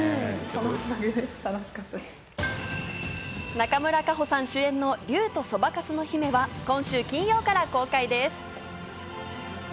中村佳穂さん主演の『竜とそばかすの姫』は今週金曜から公開です。